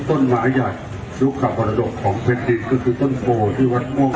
ต้นหมาใหญ่ลูกขับวันดกของเวรดีนก็คือต้นโฟที่วันม่วง